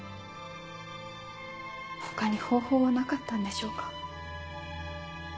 他に方法はなかったんでしょうか？